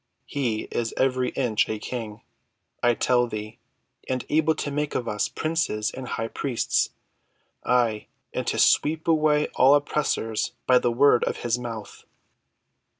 He is every inch a King, I tell thee, and able to make of us princes and high priests—ay, and to sweep away all oppressors by the word of his mouth."